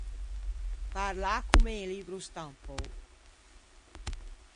Parlâ comme un libbro stampou.